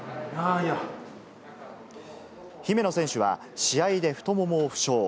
姫野選手は、試合で太ももを負傷。